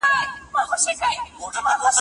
«کابلي والا» پټان دی قلندر دی